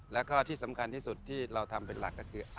แล้วก็ที่สำคัญที่สุดที่เราทำเป็นหลักก็คือ